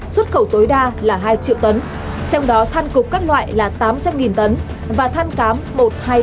xuất khẩu tối đa là hai triệu tấn trong đó than cục các loại là tám trăm linh tấn và than cám một hai trăm linh